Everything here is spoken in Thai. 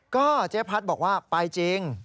ค่ะจ้ายพัสบอกว่าไปจริง